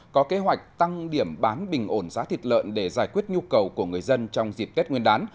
có kế hoạch tăng điểm bán bình ổn giá thịt lợn để giải quyết nhu cầu của người dân trong dịp tết nguyên đán